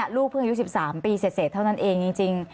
ลูกเพิ่งอายุ๑๓ปีเสร็จเท่านั้นเองจริง